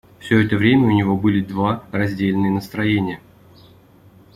Всё это время у него были два раздельные настроения.